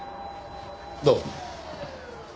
どうも。